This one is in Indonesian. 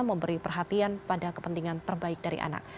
memberi perhatian pada kepentingan terbaik dari anak